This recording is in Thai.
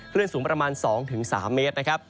คลื่นสูงประมาณ๒๓เมตรนะครับ